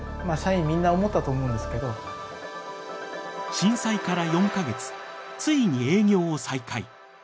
震災から４か月ついに営業を再開。